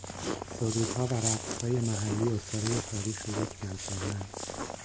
سرودها و رقصهای محلی عصاره تاریخ یک منطقهاند